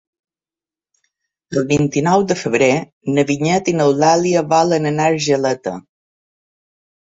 El vint-i-nou de febrer na Vinyet i n'Eulàlia volen anar a Argeleta.